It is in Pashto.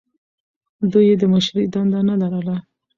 دوی یې د مشرۍ دنده نه لرله.